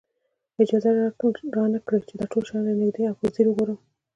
اجازه را نه کړي چې دا ټول شیان له نږدې او په ځیر وګورم.